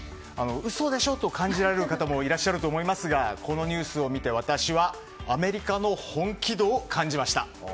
嘘でしょ？と感じられる方もいらっしゃると思いますがこのニュースを見て、私はアメリカの本気度を感じました。